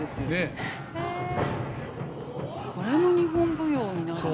これも日本舞踊になるんだ。